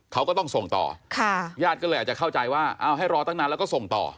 เขาก็ต้องส่งต่อค่ะญาติก็เลยอาจจะเข้าใจว่าเอาให้รอตั้งนานแล้วก็ส่งต่อ